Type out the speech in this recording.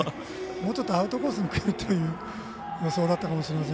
もうちょっとアウトコースにくるという予想だったかもしれません。